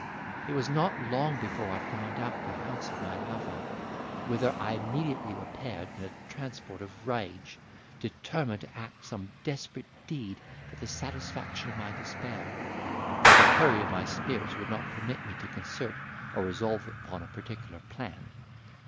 It was not long before I found out the house of my lover, whither I immediately repaired in a transport of rage, determined to act some desperate deed for the satisfaction of my despair, though the hurry of my spirits would not permit me to concert or resolve upon a particular plan.